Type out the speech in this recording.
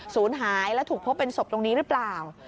ศูนย์หายและถูกพบเป็นศพตรงนี้หรือเปล่า